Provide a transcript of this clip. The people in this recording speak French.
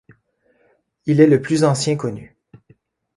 Il est le plus ancien connu.